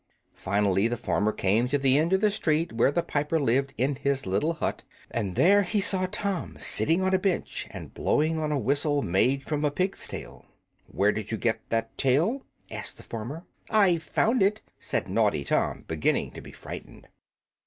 Finally the farmer came to the end of the street where the piper lived in his little hut, and there he saw Tom sitting on a bench and blowing on a whistle made from a pig's tail. "Where did you get that tail?" asked the farmer. "I found it," said naughty Tom, beginning to be frightened.